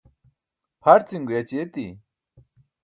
pharcin guyaći eti